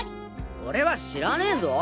俺は知らねぞ。